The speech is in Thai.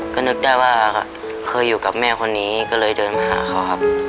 ก็นึกได้ว่าเคยอยู่กับแม่คนนี้ก็เลยเดินมาหาเขาครับ